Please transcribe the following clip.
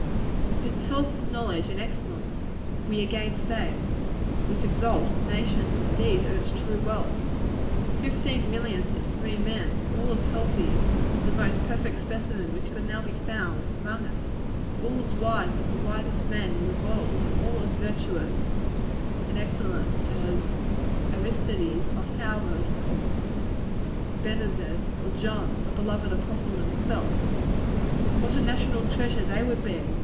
It is health, knowledge and excellence we again say which exalt a nation; and these are its true wealth. Fifteen millions of free men, all as healthy as the most perfect specimen which could now be found among us; all as wise as the wisest man in the world; and all as virtuous and excellent as Aristides, or Howard, or Benezet, or John, the beloved apostle, himself what a national treasure they would be!